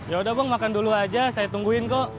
ya udah bang makan dulu aja saya tungguin kok